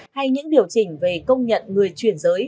hay những điều chỉnh về công nhận người chuyển giới